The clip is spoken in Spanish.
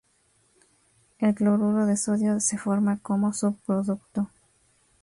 El cloruro de sodio se forma como subproducto.